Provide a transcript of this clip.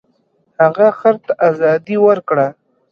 هغه خر ته ازادي ورکړه.